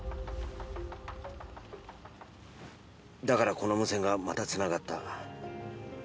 だからこの無線がまたつながった。